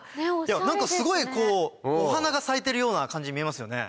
何かすごいお花が咲いてるような感じに見えますよね